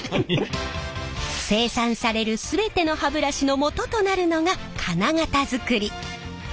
生産される全ての歯ブラシのもととなるのが金型づくり。